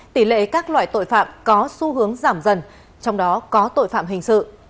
tỷ lệ các loại tội phạm có xu hướng giảm dần trong đó có tội phạm hình sự